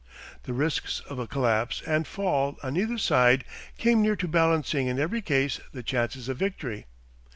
The risks of a collapse and fall on either side came near to balancing in every case the chances of victory.